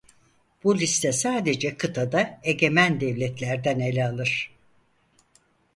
Bu liste sadece kıtada egemen devletlerden ele alır.